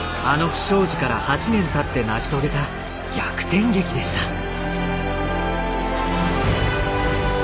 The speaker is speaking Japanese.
あの不祥事から８年たって成し遂げた逆転劇でした。